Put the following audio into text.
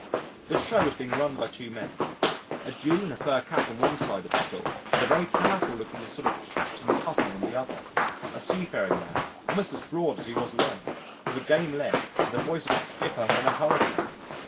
This show was being run by two men a Jew in a fur cap on one side of the stall and a very powerful looking sort of Captain Cuttle on the other a seafaring man, almost as broad as he was long, with a game leg and the voice of a skipper in a hurricane.